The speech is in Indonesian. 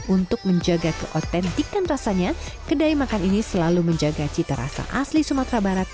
untuk menjaga keautentikan rasanya kedai makan ini selalu menjaga cita rasa asli sumatera barat